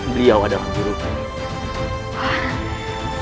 beliau adalah guru kami